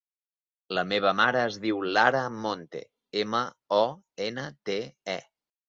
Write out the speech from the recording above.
La meva mare es diu Lara Monte: ema, o, ena, te, e.